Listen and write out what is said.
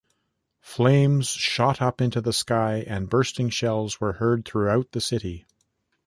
Flames shot up into the sky and bursting shells were heard throughout the city.